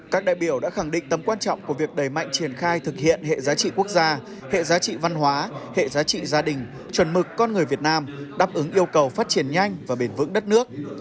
các đại biểu đã khẳng định tầm quan trọng của việc đẩy mạnh triển khai thực hiện hệ giá trị quốc gia hệ giá trị văn hóa hệ giá trị gia đình chuẩn mực con người việt nam đáp ứng yêu cầu phát triển nhanh và bền vững đất nước